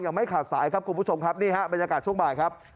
ไม่ขาดสายครับคุณผู้ชมครับนี่ฮะบรรยากาศช่วงบ่ายครับ